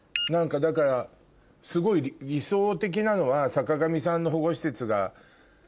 だからすごい理想的なのは坂上さんの保護施設が。